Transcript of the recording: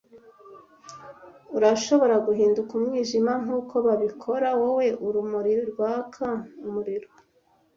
Urashobora guhinduka umwijima nkuko babikora, wowe urumuri rwaka umuriro?